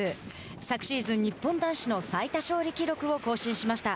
昨シーズン、日本男子の最多勝利記録を更新しました。